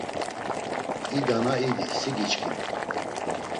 İdana idi, si giçkin.